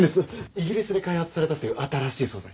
イギリスで開発されたという新しい素材。